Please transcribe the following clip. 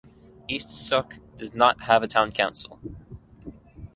East Sooke does not have a town council.